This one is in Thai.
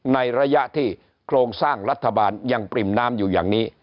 ในระยะที่โครงสร้างรัฐบาลยังปริ่มน้ำอยู่อย่างนี้